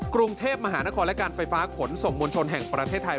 กรุงเทพมหานครและการไฟฟ้าขนส่งมวลชนแห่งประเทศไทย